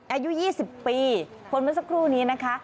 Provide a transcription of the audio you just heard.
อายุ๒๐ปีคนเมื่อสักครู่นี้นะคะ